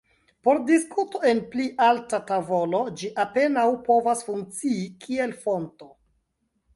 Por diskuto en pli alta tavolo, ĝi apenaŭ povas funkcii kiel fonto.